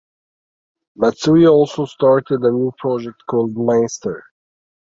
Matsui also started a new project called Meister.